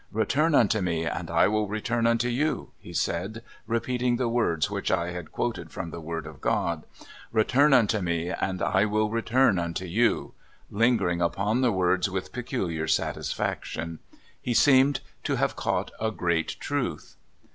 *' Return unto me, and I will return unto you," he said, repeating the words which I had quoted from the word of God — "return unto me, and I will return unto you" — lingering upon the words with peculiar satisfac tion. He seemed to have caught a great truth.